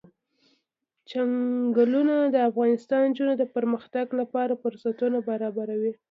چنګلونه د افغان نجونو د پرمختګ لپاره فرصتونه برابروي.